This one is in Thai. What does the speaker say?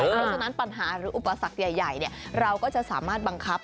เพราะฉะนั้นปัญหาหรืออุปสรรคใหญ่เราก็จะสามารถบังคับ